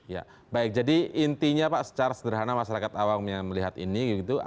ya baik jadi intinya pak secara sederhana masyarakat awam melihat ini